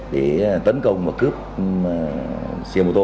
để tấn công và cướp xe mô tô